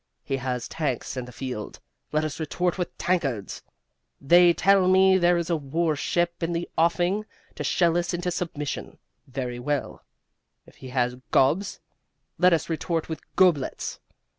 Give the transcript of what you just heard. He has tanks in the field let us retort with tankards. They tell me there is a warship in the offing, to shell us into submission. Very well: if he has gobs, let us retort with goblets.